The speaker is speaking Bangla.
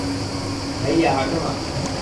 ভাইয়া, হাটো না।